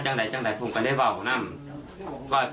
จากไหนจากไหนผมก็ได้ว่าผมนั่ง